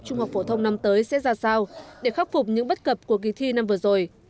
trung học phổ thông năm tới sẽ ra sao để khắc phục những bất cập của kỳ thi năm vừa rồi